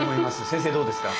先生どうですか？